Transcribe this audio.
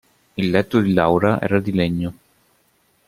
Il letto di Laura era di legno.